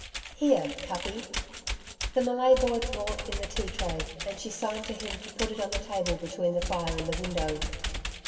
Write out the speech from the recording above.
Here, Kuppi!' The Malay boy brought in the tea tray and she signed to him to put it on the table between the fire and the window.